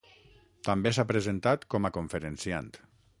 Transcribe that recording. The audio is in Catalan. També s'ha presentat com a conferenciant.